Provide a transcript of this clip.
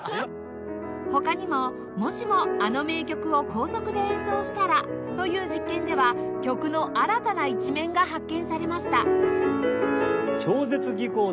他にも「もしもあの名曲を高速で演奏したら？」という実験では曲の新たな一面が発見されました